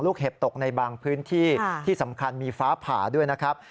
เห็บตกในบางพื้นที่ที่สำคัญมีฟ้าผ่าด้วยนะครับ